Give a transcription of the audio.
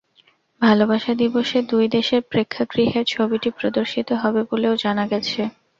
ভালোবাসা দিবসে দুই দেশের প্রেক্ষাগৃহে ছবিটি প্রদর্শিত হবে বলেও জানা গেছে।